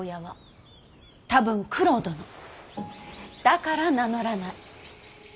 だから名乗らない。